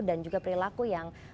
dan juga perilaku yang suka kita lakukan